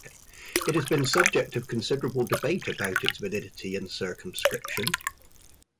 It has been subject of considerable debate about its validity and circumscription.